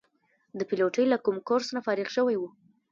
د پیلوټۍ له کوم کورس نه فارغ شوي وو.